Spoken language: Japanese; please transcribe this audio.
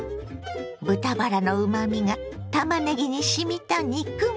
豚バラのうまみがたまねぎにしみた肉巻き。